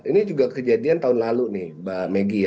ini juga kejadian tahun lalu nih mbak maggie